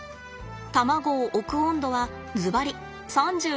卵を置く温度はずばり３６．４℃です。